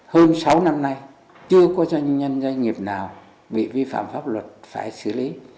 hơn sáu năm nay chưa có doanh nhân doanh nghiệp nào bị vi phạm pháp luật phải xử lý